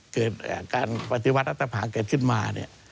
เกิดการปฏิวัติภาคเกิดขึ้นมา